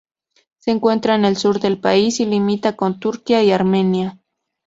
Se encuentra en el sur del país y limita con Turquía y Armenia.